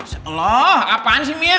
masya allah apaan sih mir